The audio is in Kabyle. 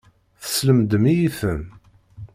Teslemdem-iyi-ten.